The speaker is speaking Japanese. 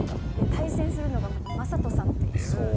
対戦するのが魔裟斗さんっていう。